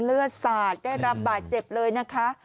เลือดสาดได้รับบาดเจ็บเลยนะคะ